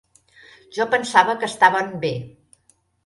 Jo pensava que estaven bé.